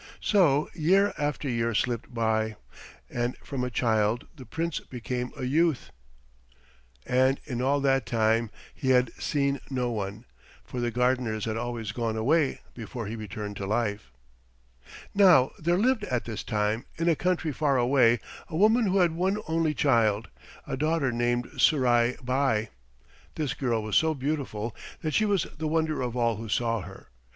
So year after year slipped by, and from a child the Prince became a youth, and in all that time he had seen no one, for the gardeners had always gone away before he returned to life. Now there lived at this time, in a country far away, a woman who had one only child, a daughter named Surai Bai. This girl was so beautiful that she was the wonder of all who saw her.